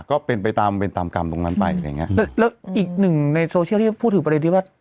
ก็เป็นไปตามเวรตามกรรมตรงนั้นไปอะไรอย่างเงี้ยแล้วอีกหนึ่งในโซเชียลที่พูดถึงประเด็นที่ว่า